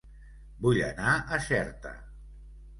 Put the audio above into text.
Vull anar a Xerta